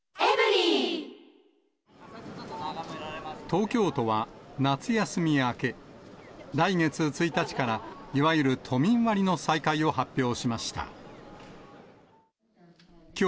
東京都は夏休み明け、来月１日からいわゆる都民割の再開を発表しました。